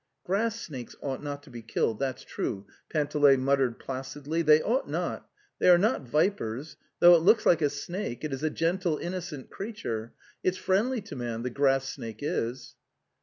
'' Grass snakes ought not to be killed, that's true," Panteley muttered placidly, "they ought not. ... They are not vipers; though it looks like a snake, it is a gentle, innocent creature. ... It's friendly to man, the grass snake is."